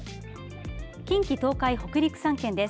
近畿、東海、北陸３県です。